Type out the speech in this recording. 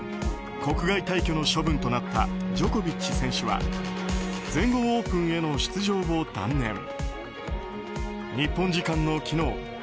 国外退去の処分となったジョコビッチ選手は全豪オープンへの出場を断念。